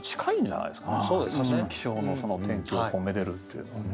気象の天気をめでるっていうのはね。